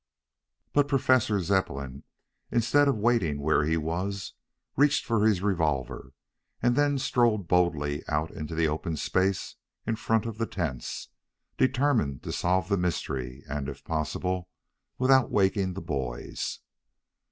But Professor Zepplin instead of waiting where he was, reached for his revolver and then strode boldly out into the open space in front of the tents, determined to solve the mystery, and, if possible, without waking the boys.